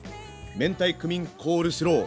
明太クミンコールスロー。